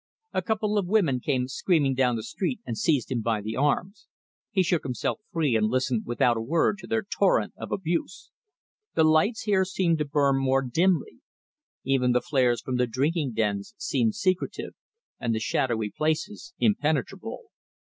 A couple of women came screaming down the street and seized him by the arms. He shook himself free, and listened without a word to their torrent of abuse. The lights here seemed to burn more dimly. Even the flares from the drinking dens seemed secretive, and the shadowy places impenetrable.